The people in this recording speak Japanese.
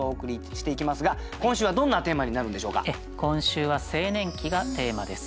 今週は「青年期」がテーマです。